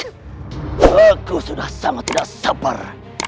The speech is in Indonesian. aku sudah sangat tidak sabar